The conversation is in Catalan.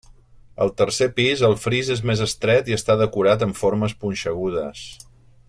Al tercer pis el fris és més estret i està decorat amb formes punxegudes.